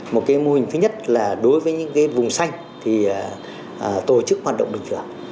một cái mô hình thứ nhất là đối với những cái vùng xanh thì tổ chức hoạt động bình thường